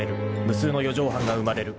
［無数の四畳半が生まれる］